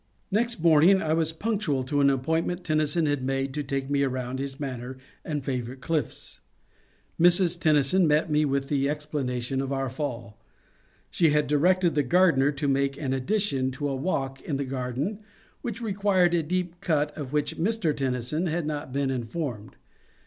Next morning I was punctual to an appointment Tennyson had made to take me around his manor and favourite cliffs. Mrs. Tennyson met me with the explanation of our fall : she had directed the gardener to make an addition to a walk in the garden which required a deep cut of which Mr. Tennyson had not been informed.